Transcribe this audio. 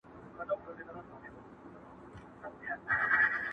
اوس وایه شیخه ستا او که به زما ډېر وي ثواب،